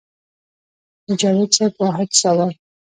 د جاوېد صېب واحد سوال